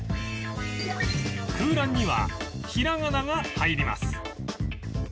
空欄にはひらがなが入ります